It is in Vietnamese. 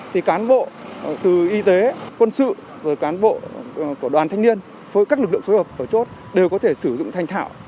thì cán bộ từ y tế quân sự rồi cán bộ của đoàn thanh niên với các lực lượng phối hợp ở chốt đều có thể sử dụng thanh thạo